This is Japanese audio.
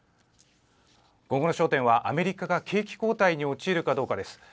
今後の焦点は、アメリカが景気後退に陥るかどうかです。